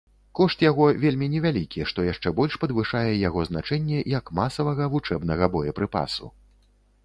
Кошт яго вельмі невялікі, што яшчэ больш падвышае яго значэнне як масавага вучэбнага боепрыпасу.